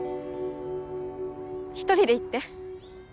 １人で行って。